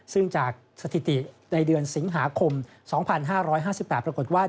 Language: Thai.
ซึ่งจากสถิติในเดือนสิงหาคม๒๕๕๘ปรากฏว่า